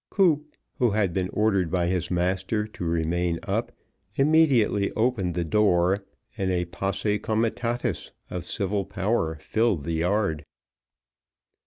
Koop, who had been ordered by his master to remain up, immediately opened the door, and a posse comitatus of civil power filled the yard.